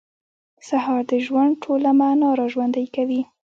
سهار د ژوند ټوله معنا راژوندۍ کوي.